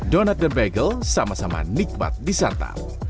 donat dan bagel sama sama nikmat disantap